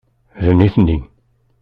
D nitni.